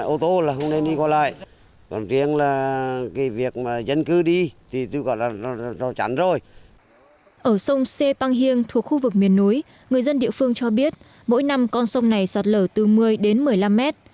ở sông xê păng hiêng thuộc khu vực miền núi người dân địa phương cho biết mỗi năm con sông này sạt lở từ một mươi đến một mươi năm mét